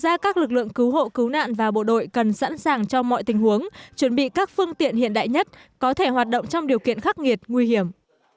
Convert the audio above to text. ngoài ra các lực lượng cứu hộ cứu nạn và bộ đội cần sẵn sàng cho mọi tình huống chuẩn bị các phương tiện hiện đại nhất có thể hoạt động trong điều kiện khắc nghiệt nguy hiểm